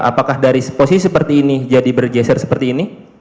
apakah dari posisi seperti ini jadi bergeser seperti ini